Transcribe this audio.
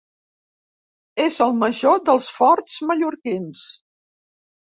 És el major dels forts mallorquins.